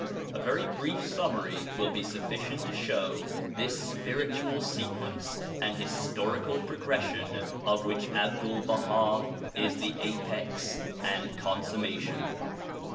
A very brief summary will be sufficient to show this spiritual sequence and historical progression of which Abdul Baha is the apex and consummation.